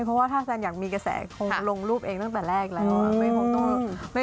เพราะว่าถ้าแซนอยากมีกระแสคงลงรูปเองตั้งแต่แรกแล้ว